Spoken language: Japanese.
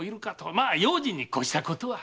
まあ用心にこしたことは。